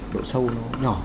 độ sâu nó nhỏ